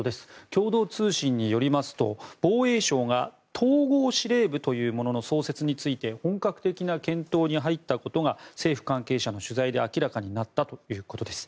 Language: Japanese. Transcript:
共同通信によりますと防衛省が統合司令部というものの創設について本格的な検討に入ったことが政府関係者への取材で明らかになったということです。